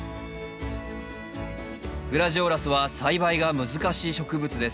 グラジオラスは栽培が難しい植物です。